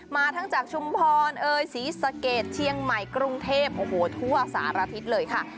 มาทั้งจากชุมพรเอ่ยศรีสะเกดเชียงใหม่กรุงเทพโอ้โหทั่วสารทิศเลยค่ะ